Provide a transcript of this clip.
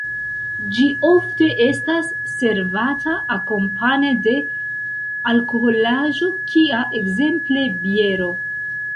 Ĝi ofte estas servata akompane de alkoholaĵo kia ekzemple biero.